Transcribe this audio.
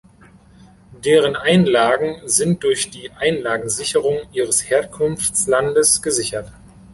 Deren Einlagen sind durch die Einlagensicherung ihres Herkunftslandes gesichert.